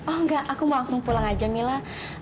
oh enggak aku mau langsung pulang aja mila